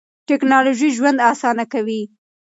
ټکنالوژي ژوند اسانه کوي.